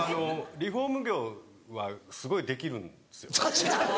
リフォーム業はすごいできるんですよ。